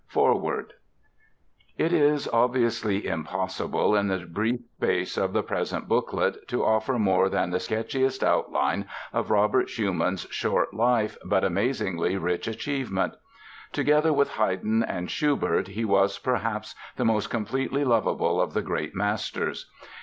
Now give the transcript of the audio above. ] FOREWORD It is obviously impossible in the brief space of the present booklet to offer more than the sketchiest outline of Robert Schumann's short life but amazingly rich achievement. Together with Haydn and Schubert he was, perhaps, the most completely lovable of the great masters.